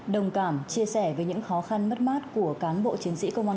đồng cảm chia sẻ với những khó khăn mất mát của cán bộ chiến sĩ công an